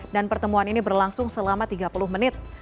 dan pertemuan ini berlangsung selama tiga puluh menit